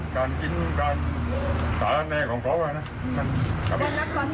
การกินการสารแนของเขานะ